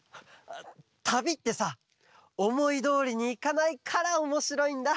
たびってさおもいどおりにいかないからおもしろいんだ！